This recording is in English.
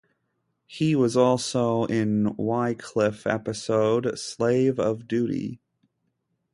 He was also in Wycliffe episode Slave of Duty.